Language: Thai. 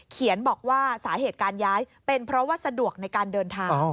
บอกว่าสาเหตุการย้ายเป็นเพราะว่าสะดวกในการเดินทาง